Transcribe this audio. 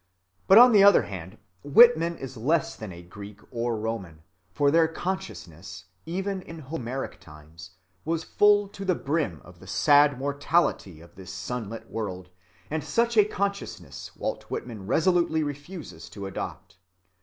But on the other hand Whitman is less than a Greek or Roman; for their consciousness, even in Homeric times, was full to the brim of the sad mortality of this sunlit world, and such a consciousness Walt Whitman resolutely refuses to adopt.